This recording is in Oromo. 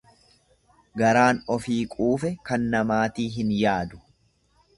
Garaan ofii quufe kan namaatii hin yaadu.